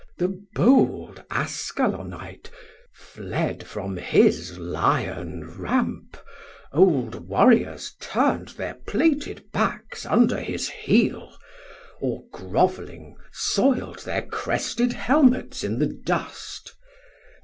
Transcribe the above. The bold Ascalonite Fled from his Lion ramp, old Warriors turn'd Thir plated backs under his heel; 140 Or grovling soild thir crested helmets in the dust.